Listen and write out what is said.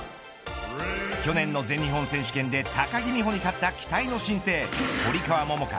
去年の全日本選手権で高木美帆に勝った期待の新星堀川桃香